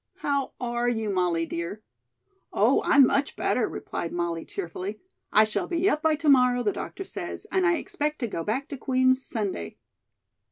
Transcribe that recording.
"How are you, Molly, dear?" "Oh, I'm much better," replied Molly, cheerfully. "I shall be up by to morrow, the doctor says, and I expect to go back to Queen's Sunday."